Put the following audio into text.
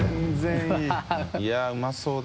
いやうまそうだ